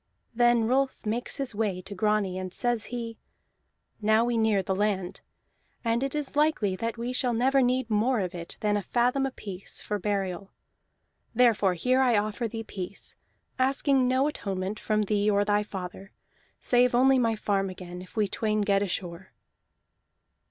Then Rolf makes his way to Grani, and says he: "Now we near the land, and it is likely that we shall never need more of it than a fathom apiece, for burial. Therefore here I offer thee peace, asking no atonement from thee or thy father, save only my farm again, if we twain get ashore."